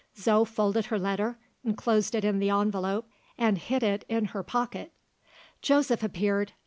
Zo folded her letter, enclosed it in the envelope, and hid it in her pocket. Joseph appeared.